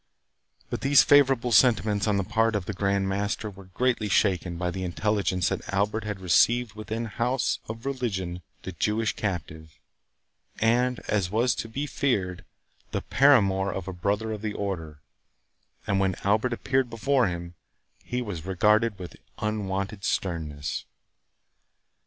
But these favourable sentiments on the part of the Grand Master were greatly shaken by the intelligence that Albert had received within a house of religion the Jewish captive, and, as was to be feared, the paramour of a brother of the Order; and when Albert appeared before him, he was regarded with unwonted sternness.